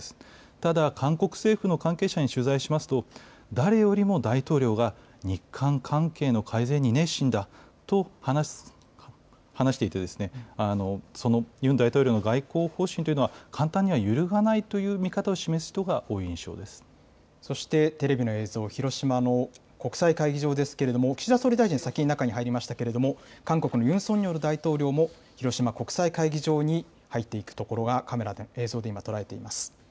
ただ、韓国政府の関係者に取材しますと、誰よりも大統領が日韓関係の改善に熱心だと話していて、ユン大統領の外交方針というのは簡単には揺るがないという見方をそしてテレビの映像、広島の国際会議場ですけれども、岸田総理大臣、先に中に入りましたけれども、韓国のユン・ソンニョル大統領も、広島国際会議場に入っていくところがカメラの映像で今、捉えています。